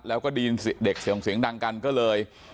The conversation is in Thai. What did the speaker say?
มาพเหมือนทีนี้